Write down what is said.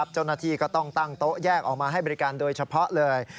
เจ้าหน้าที่ก็ต้องตั้งโต๊ะแยกออกมาให้บริการโดยเฉพาะเลย